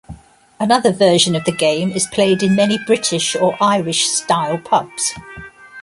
Another version of the game is played in many British- or Irish-style pubs.